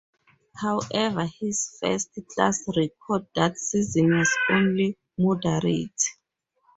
However, his first-class record that season was only moderate.